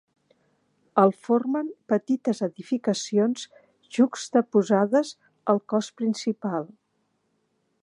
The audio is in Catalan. El formen petites edificacions juxtaposades al cos principal.